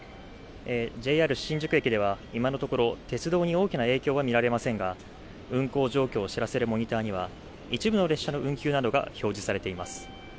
ＪＲ新宿駅では今のところ鉄道に大きな影響は見られませんが運行状況を知らせるモニターには一部の列車の運休などが表示されています。